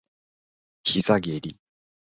膝蹴り